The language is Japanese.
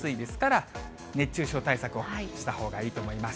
ただ、熱中症対策をしたほうがいいと思います。